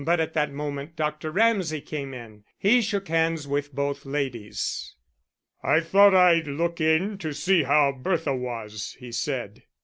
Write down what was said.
But at that moment Dr. Ramsay came in. He shook hands with both ladies. "I thought I'd look in to see how Bertha was," he said.